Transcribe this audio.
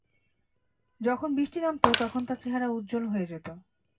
যখন বৃষ্টি নামতো তখন তার চেহারা উজ্জ্বল হয়ে যেত।